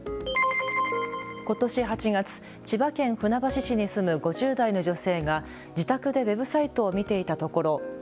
ことし８月、千葉県船橋市に住む５０代の女性が自宅でウェブサイトを見ていたところ。